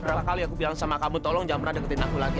berapa kali aku bilang sama kamu tolong jangan pernah deketin aku lagi